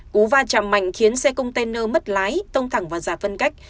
cú va chạm mạnh khiến xe container mất lái tông thẳng vào giải phân cách